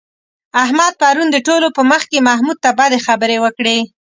احمد پرون د ټولو په مخ کې محمود ته بدې خبرې وکړې.